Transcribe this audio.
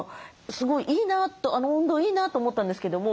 すごいいいなとあの運動いいなと思ったんですけども